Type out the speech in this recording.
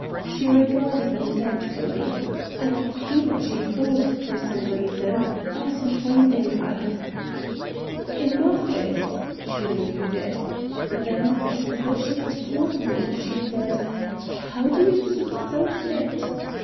She regarded me doubtfully. I could see that she thought, for some reason, I was misleading her. "In an office?" she repeated. Then, as though she had caught me, she said: "How do you keep so fit?"